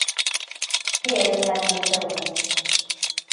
Pearce had no children.